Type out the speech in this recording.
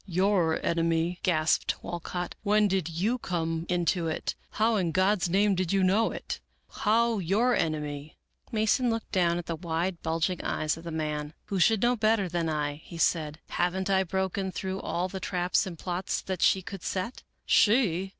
" Your enemy? " gasped Walcott. " When did you come into it? How in God's name did you know it? How your enemy ?" Mason looked down at the wide bulging eyes of the man. " Who should know better than I ?" he said. " Haven't I broken through all the traps and plots that she could set ?"" She